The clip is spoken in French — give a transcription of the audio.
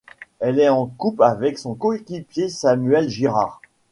Elle est en couple avec son coéquipier Samuel Girard.